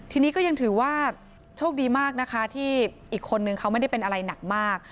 ทีนี้ก็ยังถือว่าโชคดีมากนะคะที่อีกคนนึงเขาไม่ได้เป็นอะไรหนักมาก